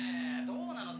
どうなの？